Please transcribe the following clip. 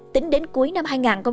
tính đến cuối năm hai nghìn một mươi tám